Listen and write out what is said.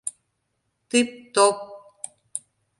«Тып-топ!»